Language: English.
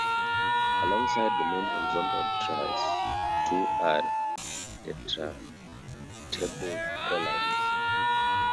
Alongside the main horizontal truss are two retractable columns.